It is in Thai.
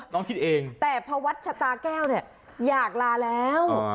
คิดเองแต่พอวัดชะตาแก้วเนี่ยอยากลาแล้ว